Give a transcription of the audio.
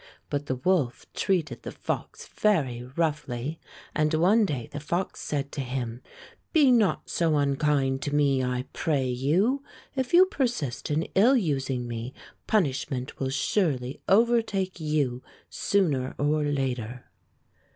But the wolf treated the fox very roughly, and one day the fox said to him: "Be not so unkind to me, I pray you. If you persist in ill using me, punish ment will surely overtake you sooner or later.